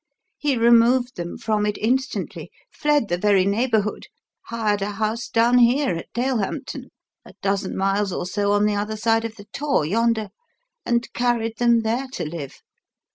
He removed them from it instantly fled the very neighbourhood, hired a house down here at Dalehampton; a dozen miles or so on the other side of the Tor, yonder and carried them there to live.